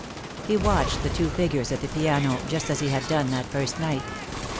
He watched the two figures at the piano just as had done that first night.